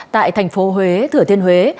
tại thành phố huế thừa thiên huế